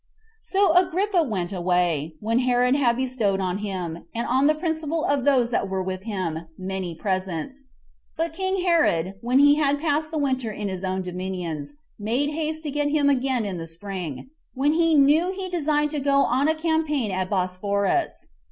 2. So Agrippa went away, when Herod had bestowed on him, and on the principal of those that were with him, many presents; but king Herod, when he had passed the winter in his own dominions, made haste to get to him again in the spring, when he knew he designed to go to a campaign at the Bosphorus.